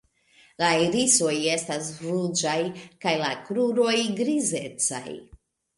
La irisoj estas ruĝaj kaj la kruroj grizecaj.